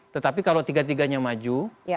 tetapi kalau tiga tiganya maju